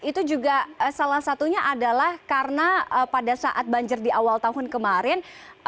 itu juga salah satunya adalah karena pada saat banjir di awal tahun kemarin